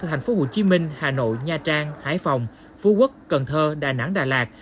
thành phố hồ chí minh hà nội nha trang hải phòng phú quốc cần thơ đà nẵng đà lạt